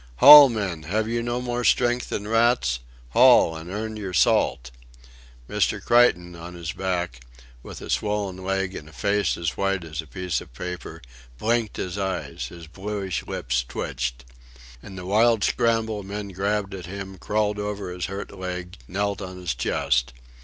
"Haul, men! Have you no more strength than rats? Haul, and earn your salt." Mr. Creighton, on his back, with a swollen leg and a face as white as a piece of paper, blinked his eyes; his bluish lips twitched. In the wild scramble men grabbed at him, crawled over his hurt leg, knelt on his chest.